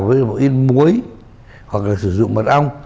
với một yên muối hoặc là sử dụng mật ong